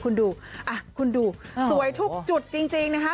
คุณดูสวยทุกจุดจริงนะฮะ